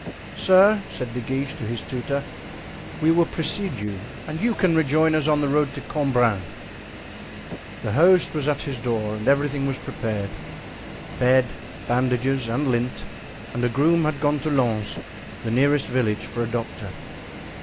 "Sir," said De Guiche to his tutor, "we will precede you, and you can rejoin us on the road to Cambrin." The host was at his door and everything was prepared—bed, bandages, and lint; and a groom had gone to Lens, the nearest village, for a doctor.